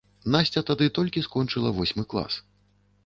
Насця тады толькі скончыла восьмы клас.